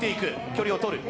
距離を取る。